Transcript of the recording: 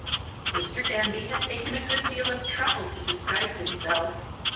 Mr. Danby had taken a good deal of trouble to disguise himself.